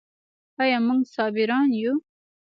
آیا موږ صابران یو؟